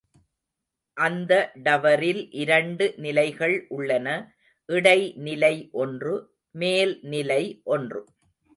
அந்த டவரில் இரண்டு நிலைகள் உள்ளன இடைநிலை ஒன்று மேல் நிலை ஒன்று.